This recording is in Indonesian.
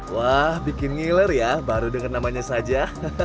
wah bikin ngiler ya baru dengar namanya saja